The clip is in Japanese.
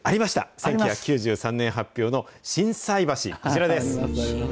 １９９３年発表の心斎橋、こちらです。